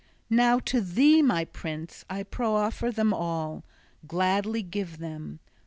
Now to thee, my prince, I proffer them all, gladly give them.